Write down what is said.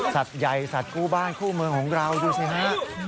ใหญ่สัตว์คู่บ้านคู่เมืองของเราดูสิฮะ